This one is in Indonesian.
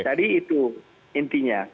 jadi itu intinya